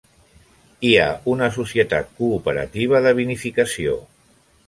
Hi ha una societat cooperativa de vinificació.